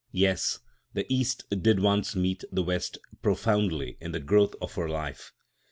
Yes, the East did once meet the West profoundly in the growth of her life.